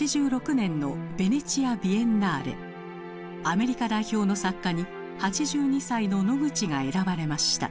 アメリカ代表の作家に８２歳のノグチが選ばれました。